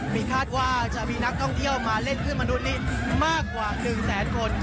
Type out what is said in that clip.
มีคาดว่าจะมีนักท่องเที่ยวมาเล่นขึ้นมนุษย์นี้มากกว่า๑แสนคน